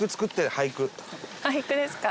俳句ですか？